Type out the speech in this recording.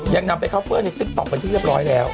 ยังนำไปคอฟเฟอร์ในติ๊กต๊อกเป็นที่เรียบร้อยแล้ว